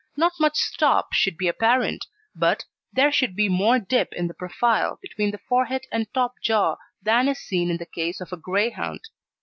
Not much "stop" should be apparent, but there should be more dip in the profile between the forehead and top jaw than is seen in the case of a Greyhound.